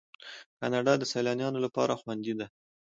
کاناډا د سیلانیانو لپاره خوندي ده.